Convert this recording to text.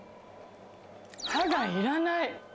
歯がいらない。